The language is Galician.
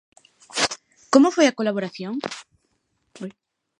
Como foi a colaboración?